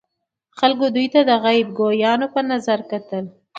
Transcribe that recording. خلکو دوی ته د غیب ګویانو په نظر کتل.